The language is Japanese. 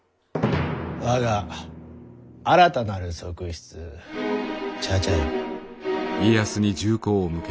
我が新たなる側室茶々よ。